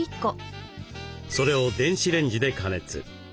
それを電子レンジで加熱。